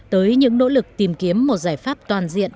tới những nỗ lực tìm kiếm một giải pháp toàn diện